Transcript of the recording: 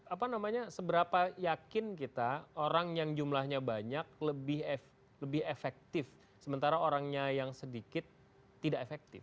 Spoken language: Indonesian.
apa namanya seberapa yakin kita orang yang jumlahnya banyak lebih efektif sementara orangnya yang sedikit tidak efektif